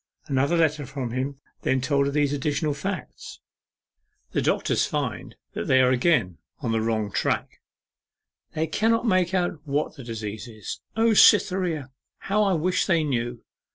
Another letter from him then told her these additional facts: 'The doctors find they are again on the wrong tack. They cannot make out what the disease is. O Cytherea! how I wish they knew!